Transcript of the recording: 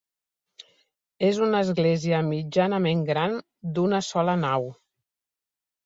És una església mitjanament gran, d'una sola nau.